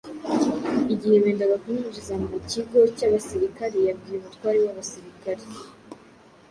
Igihe bendaga kumwinjiza mu kigo cy’abasirikare yabwiye umutware w’abasirikare